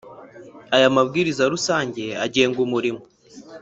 Aya mabwiriza rusange agenga umurimo